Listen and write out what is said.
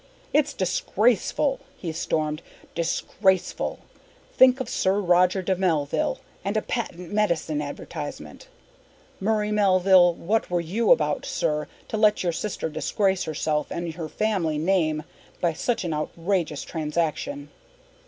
"It's disgraceful!" he stormed. "Disgraceful! Think of Sir Roger de Melville and a patent medicine advertisement! Murray Melville, what were you about, sir, to let your sister disgrace herself and her family name by such an outrageous transaction?"